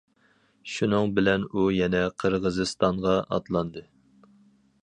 شۇنىڭ بىلەن ئۇ يەنە قىرغىزىستانغا ئاتلاندى.